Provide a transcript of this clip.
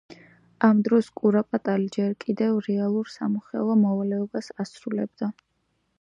ამ დროს კურაპალატი ჯერ კიდევ რეალურ სამოხელეო მოვალეობას ასრულებდა.